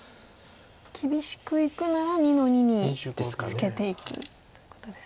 厳しくいくなら２の二にツケていくってことですね。